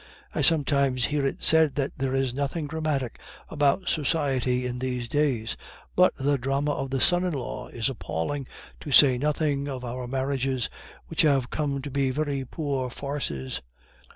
I sometimes hear it said that there is nothing dramatic about society in these days; but the Drama of the Son in law is appalling, to say nothing of our marriages, which have come to be very poor farces.